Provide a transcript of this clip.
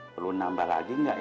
perlu nambah lagi nggak ya